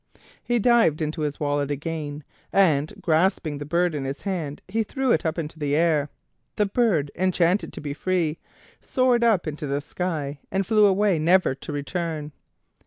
He dived into his wallet again, and grasping the bird in his hand he threw it up into the air. The bird, enchanted to be free, soared up into the sky, and flew away never to return.